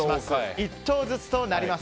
１投ずつとなります。